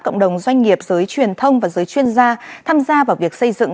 cộng đồng doanh nghiệp giới truyền thông và giới chuyên gia tham gia vào việc xây dựng